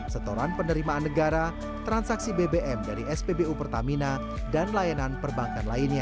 setoran penerimaan negara transaksi bbm dari spbu pertamina dan layanan perbankan lainnya